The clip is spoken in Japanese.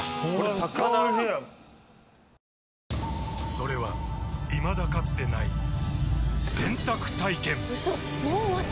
それはいまだかつてない洗濯体験‼うそっ！